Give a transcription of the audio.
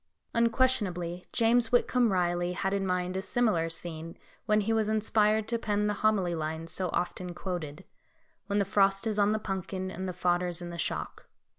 Columnar hoar frost (tabular)] Unquestionably, James Whitcomb Riley had in mind a similar scene when he was inspired to pen the homely lines so often quoted: "When the frost is on the punkin, And the fodder's in the shock."